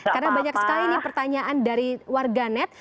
karena banyak sekali pertanyaan dari warganet